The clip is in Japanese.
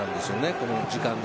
この時間で。